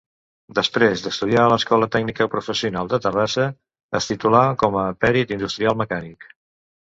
Després d'estudiar a l'Escola Tècnica Professional de Terrassa es titulà com a perit industrial mecànic.